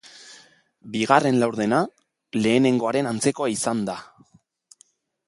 Bigarren laurdena, lehenegoaren antzekoa izan da.